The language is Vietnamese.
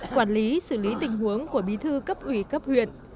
quản lý xử lý tình huống của bí thư cấp ủy cấp huyện